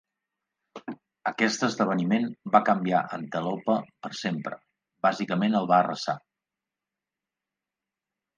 Aquest esdeveniment va canviar Antelope per sempre - bàsicament el va arrasar.